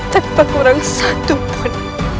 tanpa kurang satu pun